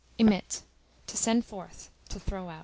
Emit, to send forth, to throw out.